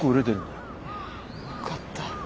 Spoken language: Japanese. よかった。